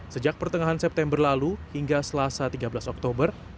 sejak pertengahan september lalu hingga selasa tiga belas oktober